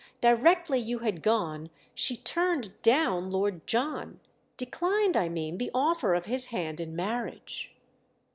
"Directly you had gone she 'turned down' Lord John. Declined, I mean, the offer of his hand in marriage."